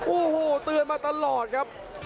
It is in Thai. โอ้โหเตือนมาตลอดครับ